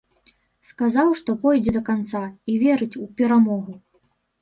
Сказаў, што пойдзе да канца і верыць у перамогу.